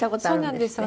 そうなんです。